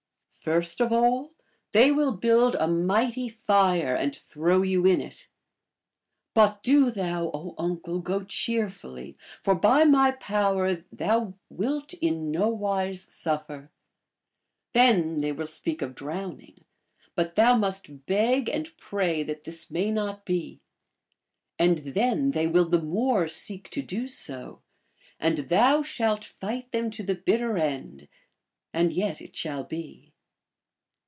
" First of all, they will build a mighty fire and throw you in it. But do thou, O uncle, go cheerfully, for by my power thou wilt in nowise suffer. Then they will speak of drowning, but thou must beg and pray that this may not be ; and then they will the more seek to do so, and thou shalt fight them to the bitter end, and yet it shall be."